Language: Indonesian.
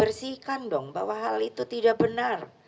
bersihkan dong bahwa hal itu tidak benar